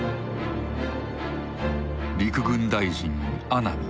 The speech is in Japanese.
陸軍大臣阿南。